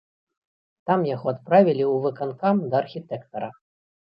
Там яго адправілі ў выканкам, да архітэктара.